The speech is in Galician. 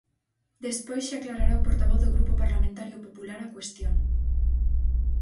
Despois xa aclarará o portavoz do Grupo Parlamentario Popular a cuestión.